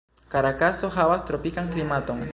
Karakaso havas tropikan klimaton.